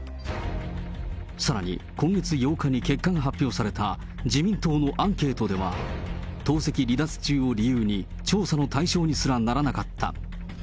さらに今月８日に結果が発表された、自民党のアンケートでは、党籍離脱中を理由に、調査の対象にすらならなかった。